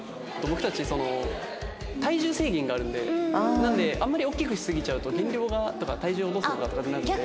僕たち体重制限があるんでなのであんまり大きくしすぎちゃうと減量がとか体重落とすのが大変なので。